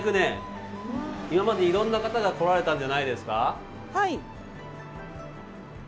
今までいろんな方が来られたんじゃないですか？